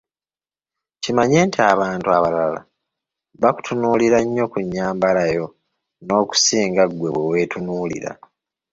Kimanye nti abantu abalala bakutunuulira nnyo ku nnyambala yo n‘okusinga ggwe bwe weetunuulira.